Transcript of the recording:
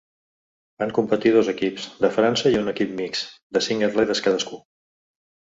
Van competir dos equips, de França i un equip mixt, de cinc atletes cadascun.